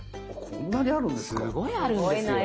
こんなにあるんですか。